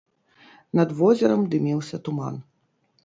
Над возерам дыміўся туман.